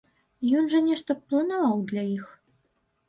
Ён жа нешта планаваў для іх?